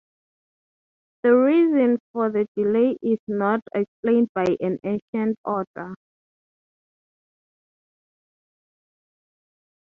The reason for the delay is not explained by any ancient author.